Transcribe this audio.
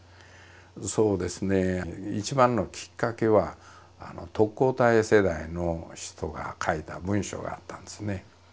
そうですね一番のきっかけは特攻隊世代の人が書いた文章があったんですね。